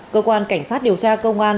cơ quan cảnh sát điều tra công an